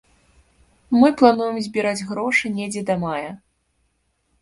Мы плануем збіраць грошы недзе да мая.